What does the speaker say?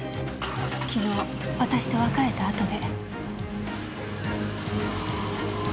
昨日私と別れたあとで。